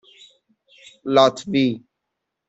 لاتوی